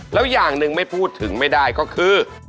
แล้วอย่างหนึ่งไม่พูดถึงไม่ได้ก็คือ